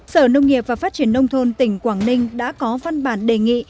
sở nông nghiệp và phát triển nông thôn tỉnh quảng ninh đã có văn bản đề nghị